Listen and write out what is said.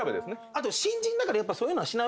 あと。